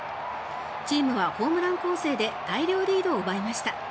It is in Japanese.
チームはホームラン攻勢で大量リードを奪いました。